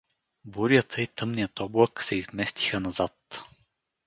Бурята и тъмният облак се изместиха назад.